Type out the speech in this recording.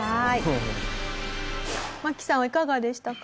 真木さんはいかがでしたか？